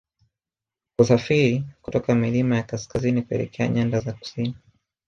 Husafiri kutoka milima ya kaskazini kuelekea nyanda za kusini